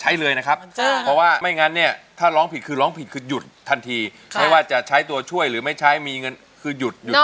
ใช้เลยนะครับเพราะว่าไม่งั้นเนี่ยถ้าร้องผิดคือร้องผิดคือหยุดทันทีไม่ว่าจะใช้ตัวช่วยหรือไม่ใช้มีเงินคือหยุดหยุด